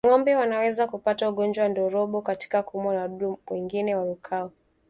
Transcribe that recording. Ngombe wanaweza kupata ugonjwa wa ndorobo kwa kuumwa na wadudu mwengine warukao